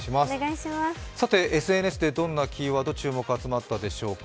ＳＮＳでどんなキーワード注目集まったでしょうか。